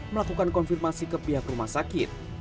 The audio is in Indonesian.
melakukan konfirmasi ke pihak rumah sakit